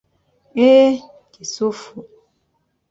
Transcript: Eeehe kisufu!